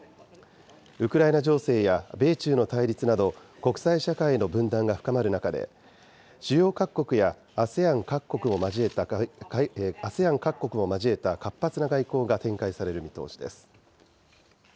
ウクライナ情勢や米中の対立など、国際社会の分断が深まる中で、主要各国やＡＳＥＡＮ各国も交えた活発な外交が展開される見通し